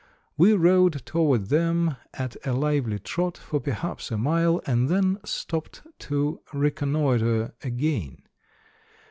We rode toward them at a lively trot for perhaps a mile, and then stopped to reconnoitre again.